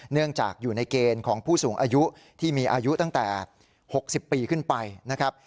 เนื่องจากอยู่ในเกณฑ์ของผู้สูงอายุที่มีอายุตั้งแต่๖๐ปีขึ้นไปนะครับ